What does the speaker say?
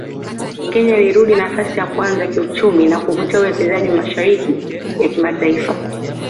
Kenya ilirudi nafasi ya kwanza kiuchumi na kuvutia uwekezaji wa mashirika ya kimataifa